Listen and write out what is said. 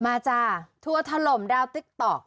จ้าทัวร์ถล่มดาวติ๊กต๊อก